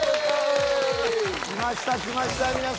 来ました来ました皆さん。